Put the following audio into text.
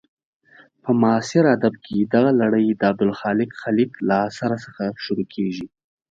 په معاصر ادب کې دغه لړۍ د عبدالخالق خلیق له اثر څخه شروع کېږي.